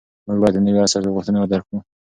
موږ باید د نوي عصر غوښتنې درک کړو.